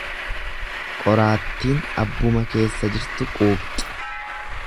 Qoraattiin abbuma keessa jirtu quuqxi.